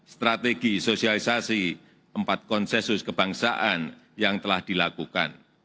strategi sosialisasi empat konsensus kebangsaan yang telah dilakukan